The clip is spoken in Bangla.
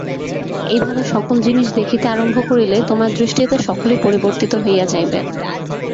এইভাবে সকল জিনিষ দেখিতে আরম্ভ করিলে তোমার দৃষ্টিতে সকলই পরিবর্তিত হইয়া যাইবে।